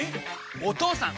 お義父さん！